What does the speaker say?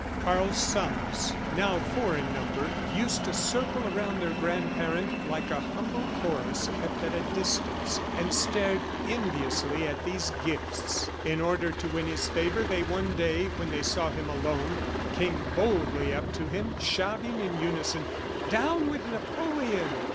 Karl's sons, now four in number, used to circle around their grandparent like a humble chorus kept at a distance, and stare enviously at these gifts. In order to win his favor, they one day when they saw him alone, came boldly up to him, shouting in unison, "Down with Napoleon!"